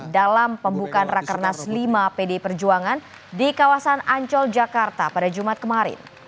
dalam pembukaan rakernas lima pdi perjuangan di kawasan ancol jakarta pada jumat kemarin